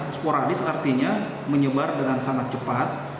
sporadis artinya menyebar dengan sangat cepat